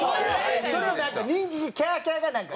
それをなんか人気「キャーキャー」がなんか。